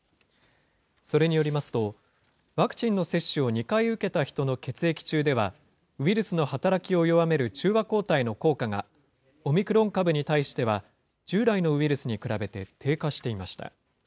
それによりますと、ワクチンの接種を２回受けた人の血液中では、ウイルスの働きを弱める中和抗体の効果が、オミクロン株に対しては従来のウイルスに比べて低下していました。